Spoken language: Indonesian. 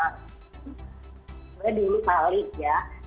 sebenarnya di bali ya